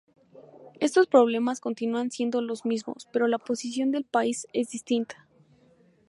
Estos problemas continúan siendo los mismos, pero la posición del país es distinta.